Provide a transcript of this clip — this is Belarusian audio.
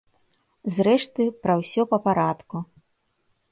Зрэшты, пра ўсё па парадку.